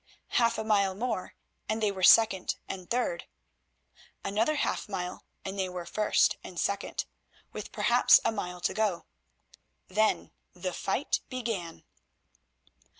Half a mile more and they were second and third; another half mile and they were first and second with perhaps a mile to go. Then the fight began.